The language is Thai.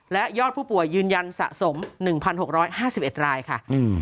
และยอดผู้ป่วยยืนยันสะสม๑๖๕๑รายค่ะ